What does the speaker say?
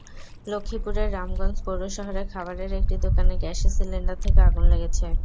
লক্ষ্মীপুরের রামগঞ্জ পৌর শহরে খাবারের একটি দোকানে গ্যাসের সিলিন্ডার থেকে আগুন লেগেছে।